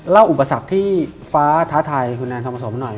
อุปสรรคที่ฟ้าท้าทายคุณแอนธรรมสมหน่อย